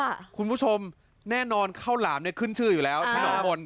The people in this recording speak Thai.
คุณผู้ชมแน่นอนข้าวหลามเนี่ยขึ้นชื่ออยู่แล้วที่หนองมนต